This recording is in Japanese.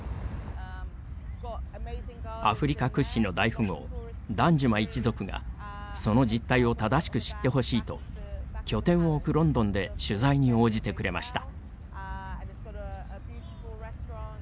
アフリカ屈指の大富豪ダンジュマ一族がその実態を正しく知ってほしいと拠点を置くロンドンで取材に応じてくれました。